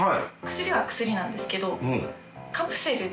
薬は薬なんですけど